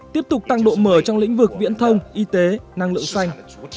tiếp tục tăng độ mở trong lĩnh vực viễn thông y tế năng lượng xanh